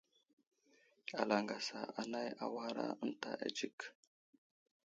Alaŋgasa anay awara ənta adzik.